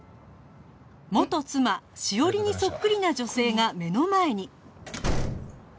元妻史織にそっくりな女性が目の前に